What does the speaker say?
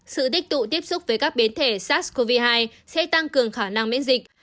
sự tích tụ tiếp xúc với các biến thể sars cov hai sẽ tăng cường khả năng miễn dịch